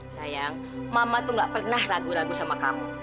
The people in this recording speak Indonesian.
sayang mama tuh gak pernah ragu ragu sama kamu